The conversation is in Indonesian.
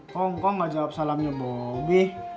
kok ngkong gak jawab salamnya bobby